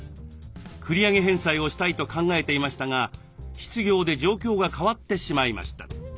繰り上げ返済をしたいと考えていましたが失業で状況が変わってしまいました。